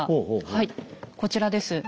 はいこちらです。